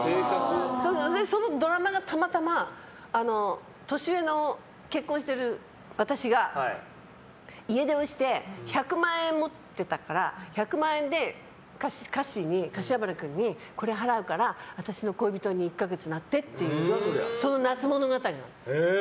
そのドラマがたまたま年上の結婚してる私が家出をして１００万円持ってたから１００万円で柏原君にこれ払うから、私の恋人に１か月なってっていう夏物語です。